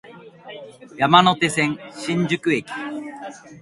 山手線、新宿駅